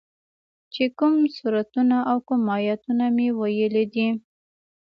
چې کوم سورتونه او کوم ايتونه مې ويلي دي.